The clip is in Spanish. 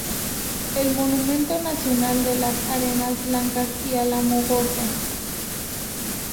El monumento Nacional de las Arenas Blancas y Álamo Gordo.